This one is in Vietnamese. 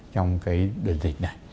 trong đợt dịch này